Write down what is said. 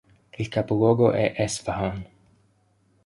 Il capoluogo è Esfahan.